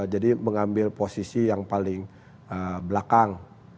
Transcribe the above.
jadi mengambil posisi yang paling belakang